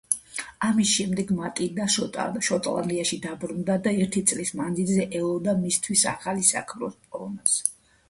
ამის შემდეგ მატილდა შოტლანდიაში დაბრუნდა და ერთი წლის მანძილზე ელოდა მისთვის ახალი საქმროს პოვნას.